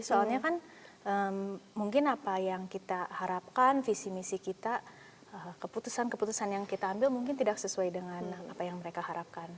soalnya kan mungkin apa yang kita harapkan visi misi kita keputusan keputusan yang kita ambil mungkin tidak sesuai dengan apa yang mereka harapkan